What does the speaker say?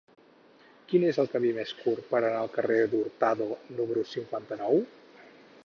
Quin és el camí més curt per anar al carrer d'Hurtado número cinquanta-nou?